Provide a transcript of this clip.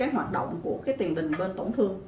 hoạt động của tiền đình bên tổn thương